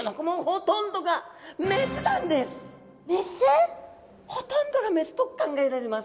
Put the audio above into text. ほとんどが雌と考えられます。